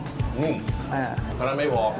เพราะฉะนั้นไม่พอ